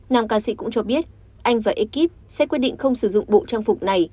nam ca sĩ cũng cho biết anh và ekip sẽ quyết định không sử dụng bộ trang phục này